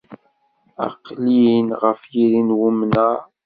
Aqlin ɣef yiri n wemnar